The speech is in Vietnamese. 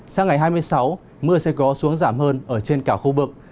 sang ngày hai mươi sáu mưa sẽ có xuống giảm hơn ở trên cả khu vực